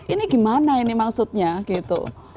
ini gimana ini maksudnya gitu